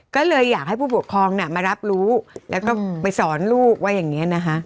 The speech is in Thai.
ก็เลยอยากให้ผู้ปกครองมารับรู้แล้วก็ไปสอนลูกว่าอย่างนี้นะคะ